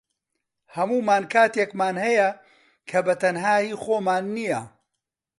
هەموومان کاتێکمان هەیە کە بەتەنها هی خۆمان نییە